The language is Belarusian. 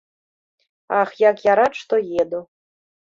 Ах, як я рад, што еду.